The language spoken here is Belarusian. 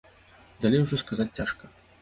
Далей ужо сказаць цяжка.